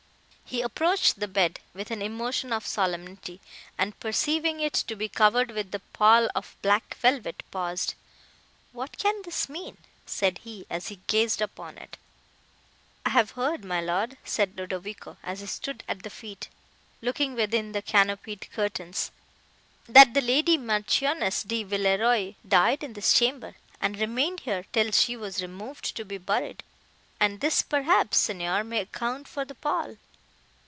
He approached the bed with an emotion of solemnity, and, perceiving it to be covered with the pall of black velvet, paused; "What can this mean?" said he, as he gazed upon it. "I have heard, my Lord," said Ludovico, as he stood at the feet, looking within the canopied curtains, "that the Lady Marchioness de Villeroi died in this chamber, and remained here till she was removed to be buried; and this, perhaps, Signor, may account for the pall."